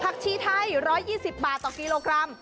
ผักชีไทยร้อยยี่สิบบาทต่อกิโลกรัม